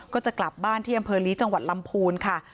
ก็จะกลับบ้านที่อำเภอลีจังหวัดลำพูนค่ะ